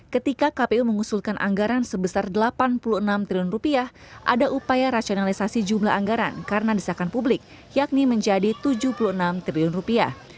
ketika kpu mengusulkan anggaran sebesar delapan puluh enam triliun rupiah ada upaya rasionalisasi jumlah anggaran karena disahkan publik yakni menjadi tujuh puluh enam triliun rupiah